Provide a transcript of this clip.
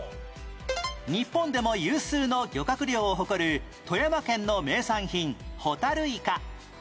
日本でも有数の漁獲量を誇る富山県の名産品ホタルイカ